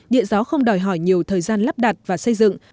điện gió không đòi hỏi nhiều thời gian lắp đặt và xây dựng